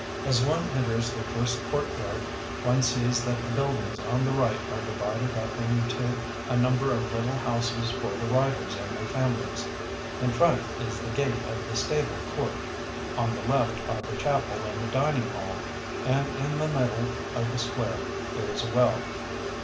As one enters the first courtyard one sees that the buildings on the right are divided up into a number of little houses for the riders and their families; in front is the gate of the stable court, on the left are the chapel and the dining hall, and in the middle of the square there is a well.